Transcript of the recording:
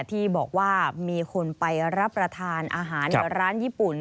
ที่บอกว่ามีคนไปรับประทานอาหารในร้านญี่ปุ่น